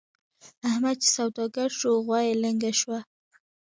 احمد چې سوداګر شو؛ غوا يې لنګه شوه.